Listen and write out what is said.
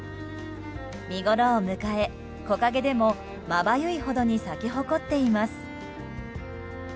見ごろを迎え、木陰でもまばゆいほどに咲き誇っています。